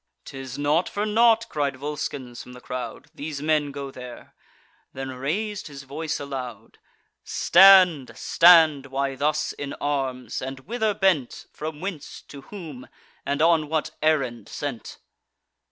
"'Tis not for naught," cried Volscens from the crowd, "These men go there;" then rais'd his voice aloud: "Stand! stand! why thus in arms? And whither bent? From whence, to whom, and on what errand sent?"